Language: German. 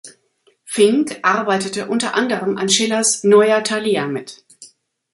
Fink arbeitete unter anderem an Schillers "Neuer Thalia" mit.